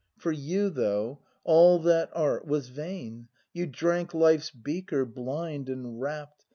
For you, though, all that art was vain, You drank life's beaker, blind and rapt.